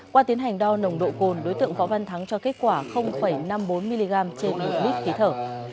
qua tiến hành đo nồng độ cồn đối tượng võ văn thắng cho kết quả năm mươi bốn mg trên một lít khí thở